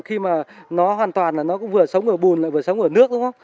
khi mà nó hoàn toàn là nó cũng vừa sống ở bùn lại vừa sống ở nước đúng không